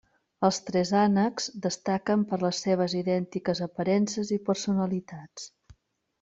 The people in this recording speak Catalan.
Els tres ànecs destaquen per les seves idèntiques aparences i personalitats.